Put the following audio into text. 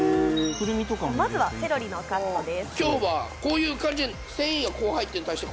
まずはセロリのカットです。